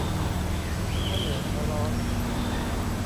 ผ้าเหลืองร้อน